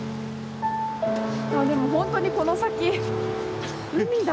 でも本当にこの先海だ。